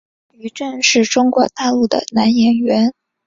于震是中国大陆的男演员。